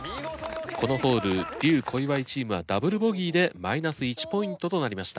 このホール笠・小祝チームはダブルボギーでマイナス１ポイントとなりました。